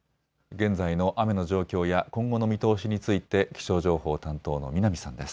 現在の雨の状況や今後の見通しについて気象情報担当の南さんです。